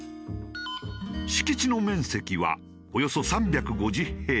敷地の面積はおよそ３５０平米。